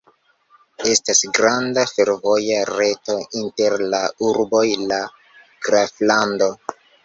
Estas granda fervoja reto inter la urboj la graflando.